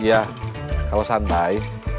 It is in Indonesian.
iya kalau santai